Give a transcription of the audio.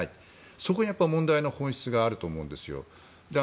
そこに問題の本質があると思うんです。